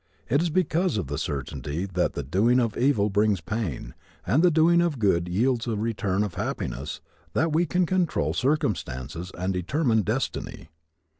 It is because of the certainty that the doing of evil brings pain and the doing of good yields a return of happiness that we can control circumstances and determine destiny.